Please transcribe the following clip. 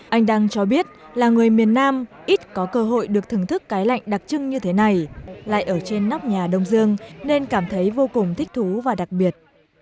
anh đăng cho biết là người miền nam ít có cơ hội được thưởng thức cái lạnh đặc trưng như thế này lại ở trên nóc nhà đông dương nên cảm thấy vô cùng thích thú và đặc biệt